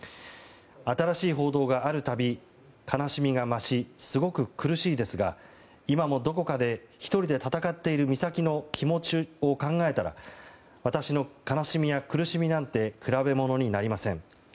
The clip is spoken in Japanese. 新しい報道がある度悲しみが増しすごく苦しいですが今もどこかで１人で戦っている美咲の気持ちを考えたら私の悲しみや苦しみなんて比べ物になりません。